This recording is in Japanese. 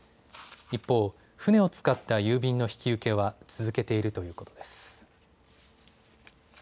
一方、船を使った郵便の引き受けは続けているということです。